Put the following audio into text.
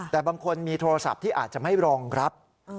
แต่บางคนมีโทรศัพท์ที่อาจจะไม่รองรับ